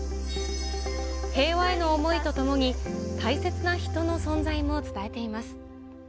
平和への思いとともに、大切な人の存在も伝えています。